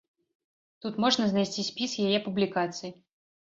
Тут можна знайсці спіс яе публікацый.